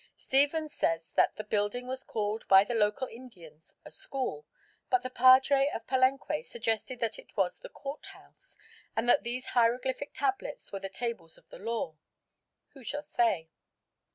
Stephens says that the building was called by the local Indians a school; but the padre of Palenque suggested that it was the court house, and that these hieroglyphic tablets were the tables of the law. Who shall say?